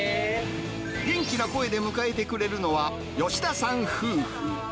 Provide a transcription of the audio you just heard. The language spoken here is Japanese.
元気な声で迎えてくれるのは、吉田さん夫婦。